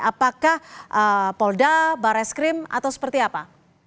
apakah polda bareskrim atau seperti apa